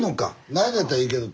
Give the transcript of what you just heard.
ないのやったらいいけど。